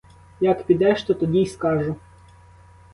Як підеш, то тоді й скажу.